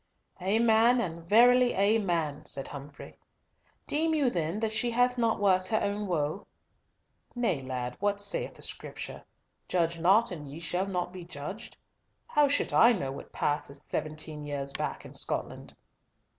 "Amen, and verily amen," said Humfrey. "Deem you then that she hath not worked her own woe?" "Nay, lad, what saith the Scripture, 'Judge not, and ye shall not be judged'? How should I know what hath passed seventeen years back in Scotland?"